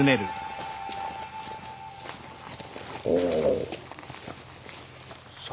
おお。